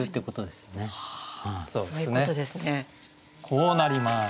こうなります。